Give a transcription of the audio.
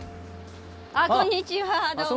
あっこんにちはどうも。